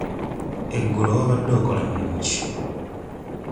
Eggulo wabadde okola mulimu ki?